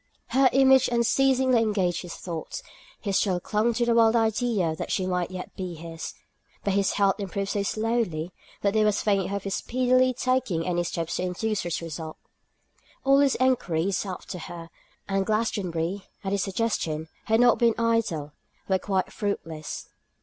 Her image unceasingly engaged his thoughts; he still clung to the wild idea that she might yet be his. But his health improved so slowly, that there was faint hope of his speedily taking any steps to induce such a result. All his enquiries after her, and Glastonbury, at his suggestion, had not been idle, were quite fruitless.